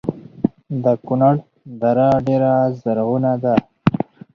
د کونړ دره ډیره زرغونه ده